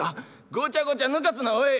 「ごちゃごちゃ抜かすなおい。